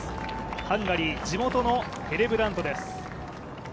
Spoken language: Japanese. ハンガリー地元のヘレブラントです。